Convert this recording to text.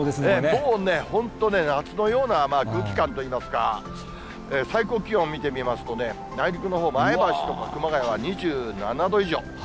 もう本当ね、夏のような空気感といいますか、最高気温見てみますとね、内陸のほう、前橋とか熊谷は２７度以上。